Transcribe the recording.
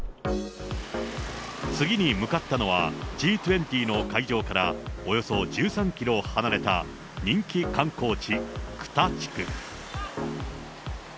次に向かったのは、Ｇ２０の会場からおよそ１３キロ離れた人気観光地、クタ地区。